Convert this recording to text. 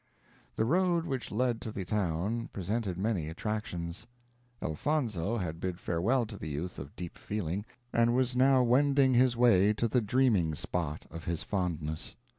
The road which led to the town presented many attractions. Elfonzo had bid farewell to the youth of deep feeling, and was now wending his way to the dreaming spot of his fondness.